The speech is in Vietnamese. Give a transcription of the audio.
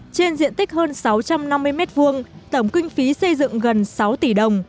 trên diện tích hơn sáu trăm năm mươi m hai tổng kinh phí xây dựng gần sáu tỷ đồng